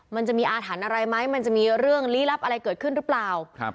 มันจะมีอาถรรพ์อะไรไหมมันจะมีเรื่องลี้ลับอะไรเกิดขึ้นหรือเปล่าครับ